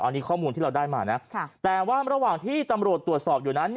อันนี้ข้อมูลที่เราได้มานะแต่ว่าระหว่างที่ตำรวจตรวจสอบอยู่นั้น